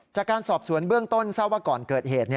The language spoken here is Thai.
จากการสอบสวนเบื้องต้นทราบว่าก่อนเกิดเหตุ